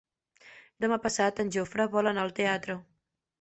Demà passat en Jofre vol anar al teatre.